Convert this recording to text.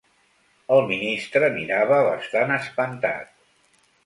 El ministre mirava bastant espantat.